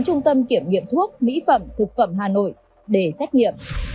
trung tâm kiểm nghiệm thuốc mỹ phẩm thực phẩm hà nội để xét nghiệm